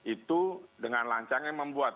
itu dengan lancang yang membuat